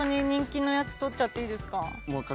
人気のやつ取っちゃっていいですか？